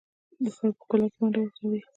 د ښار په ښکلا کې ونډه لري؟